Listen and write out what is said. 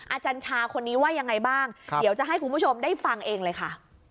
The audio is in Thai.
อาจารย์ชาคนนี้ว่ายังไงบ้างเดี๋ยวจะให้คุณผู้ชมได้ฟังเองเลยค่ะ